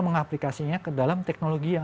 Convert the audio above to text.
mengaplikasinya ke dalam teknologi yang